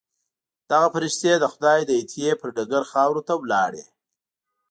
دغه فرښتې د خدای د عطیې پر ډګر خاورو ته لاړې.